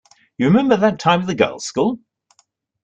You remember that time at the girls' school?